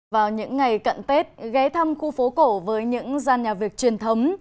vào những ngày cận tết ghé thăm khu phố cổ với những gian nhà việc truyền thống